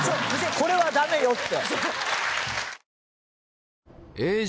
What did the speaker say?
「これはダメよ」って。